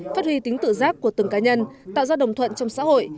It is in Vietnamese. phát huy tính tự giác của từng cá nhân tạo ra đồng thuận trong xã hội